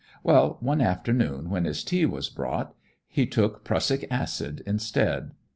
Well, one afternoon when his tea was brought, he took prussic acid instead.